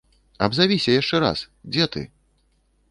Абзавіся яшчэ раз, дзе ты?